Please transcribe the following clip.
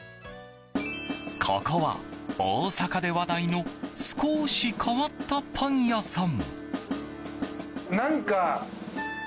ここは、大阪で話題の少し変わったパン屋さん。